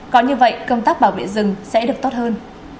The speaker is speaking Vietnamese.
có như vậy công tác bảo vệ rừng sẽ được tốt hơn